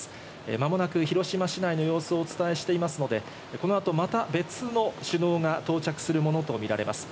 間もなく広島市内の様子をお伝えしていますので、この後また別の首脳が到着するものと見られます。